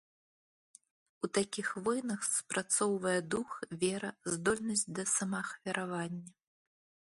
У такіх войнах спрацоўвае дух, вера, здольнасць да самаахвяравання.